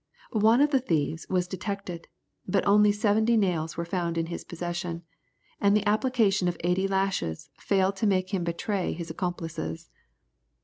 One of the thieves was detected, but only seventy nails were found in his possession, and the application of eighty lashes failed to make him betray his accomplices.